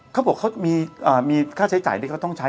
เขาบอกเขามีค่าใช้จ่ายที่เขาต้องใช้